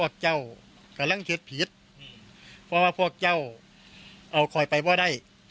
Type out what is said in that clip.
เจ้ากำลังเชิดผิดเพราะว่าพวกเจ้าเอาคอยไปว่าได้